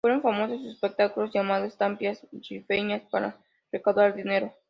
Fueron famosos sus espectáculos, llamados Estampas Rifeñas, para recaudar dinero.